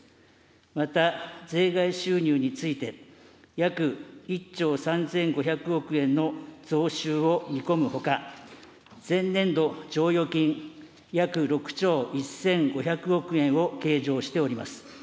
また、税外収入について、約１兆３５００億円の増収を見込むほか、前年度剰余金、約６兆１５００億円を計上しております。